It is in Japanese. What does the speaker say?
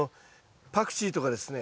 パクチーとかですね